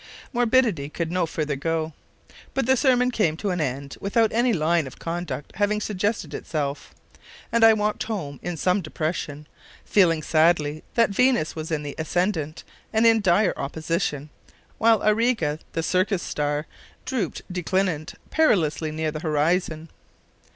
Morbidity could no further go. But the sermon came to an end without any line of conduct having suggested itself; and I walked home in some depression, feeling sadly that Venus was in the ascendant and in direful opposition, while Auriga the circus star drooped declinant, perilously near the horizon.